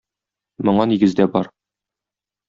Моңа нигез дә бар.